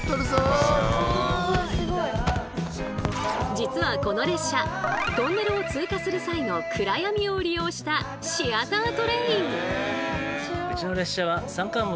実はこの列車トンネルを通過する際の暗闇を利用したシアタートレイン。